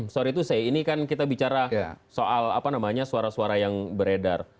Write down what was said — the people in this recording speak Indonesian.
sorry to say ini kan kita bicara soal apa namanya suara suara yang beredar